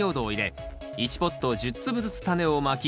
１ポット１０粒ずつタネをまき